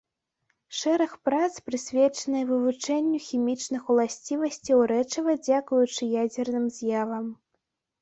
Шэраг прац прысвечаны вывучэнню хімічных уласцівасцяў рэчыва дзякуючы ядзерным з'явам.